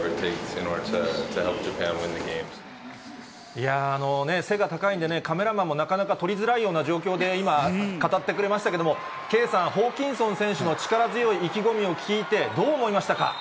いやぁ、背が高いんでね、カメラマンもなかなか撮りづらいような状況で今、語ってくれましたけれども、圭さん、ホーキンソン選手の力強い意気込みを聞いて、どう思いましたか？